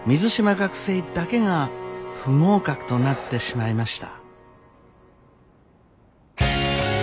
学生だけが不合格となってしまいました。